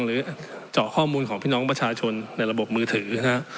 หรือเจาะข้อมูลของพี่น้องประชาชนในระบบมือถือนะฮะ